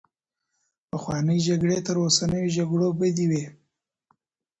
پخوانۍ جګړې تر اوسنيو جګړو بدې وې.